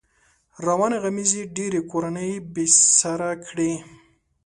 روانې غمېزې ډېری کورنۍ بې سره کړې.